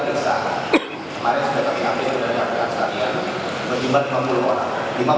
saksi yang sudah kita periksa kemarin sudah kami ambil dari kabupaten kalian